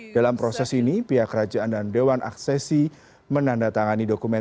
dalam proses ini pihak kerajaan dan dewan aksesi menandatangani dokumen